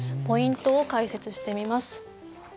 ポイントを解説してみます。